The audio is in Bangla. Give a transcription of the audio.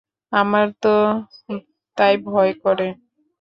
আমার তো তাই ভয় করে।